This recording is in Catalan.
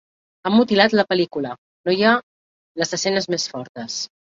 Han mutilat la pel·lícula: no hi ha les escenes més fortes.